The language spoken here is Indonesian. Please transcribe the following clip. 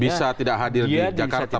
bisa tidak hadir di jakarta